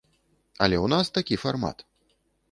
Але ў нас такі фармат.